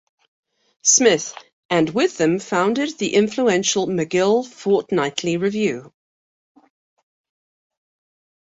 Smith, and with them founded the influential "McGill Fortnightly Review".